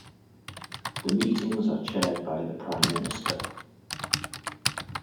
The meetings are chaired by the Prime Minister.